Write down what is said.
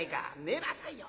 「寝なさいよ」。